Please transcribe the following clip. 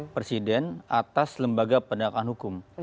presiden atas lembaga penegakan hukum